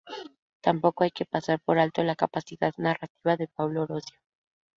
Tampoco hay que pasar por alto la capacidad narrativa de Paulo Orosio.